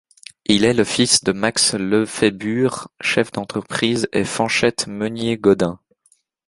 Il est le fils de Max Lefébure, chef d'entreprise, et Fanchette Meunier-Godin.